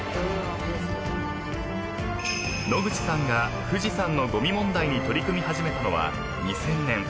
［野口さんが富士山のごみ問題に取り組み始めたのは２０００年］